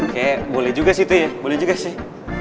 kayak boleh juga sih itu ya boleh juga sih